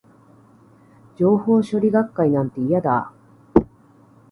情報処理学会なんて、嫌だー